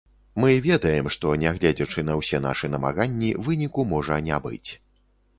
Мы ведаем, што, нягледзячы на ўсе нашы намаганні, выніку можа не быць.